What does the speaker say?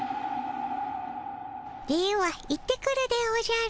では行ってくるでおじゃる。